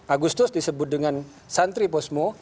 agustus disebut dengan santri posmo